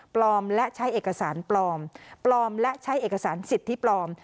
และใช้เอกสารปลอมปลอมและใช้เอกสารสิทธิปลอม